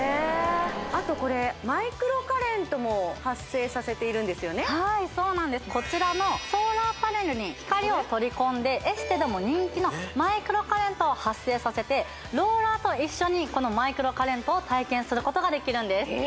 あとこれはいそうなんですこちらのソーラーパネルに光を取り込んでエステでも人気のマイクロカレントを発生させてローラーと一緒にこのマイクロカレントを体験することができるんですへえ